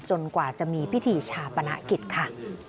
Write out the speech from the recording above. กว่าจะมีพิธีชาปนกิจค่ะ